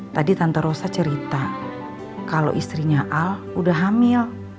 tadi tante rosa cerita kalau istrinya al udah hamil